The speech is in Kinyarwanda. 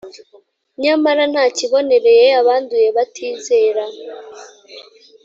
nyamara nta kibonereye abanduye batizera